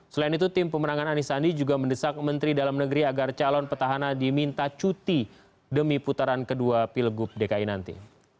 selain itu tim pemenangan anies sandi juga mendesak menteri dalam negeri agar calon petahana diminta cuti demi putaran kedua pilgub dki nanti